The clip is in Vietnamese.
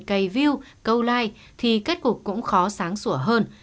cây view câu like thì kết cục cũng khó sáng sủa hơn